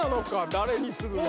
誰にするのか？